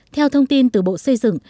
theo thông tin từ bộ xây dựng